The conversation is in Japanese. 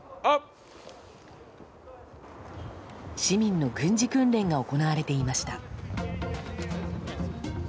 市民の軍事訓練が行われていました。